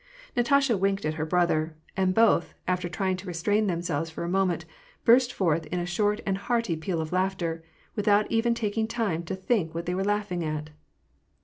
Natasha winked at her brother ; and both, after trying to restrain themselves for a moment, burst forth in a short and hearty peal of laughter, without even taking time to think what they were laughing at.